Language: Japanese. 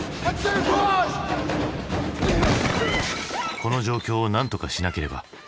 この状況をなんとかしなければ。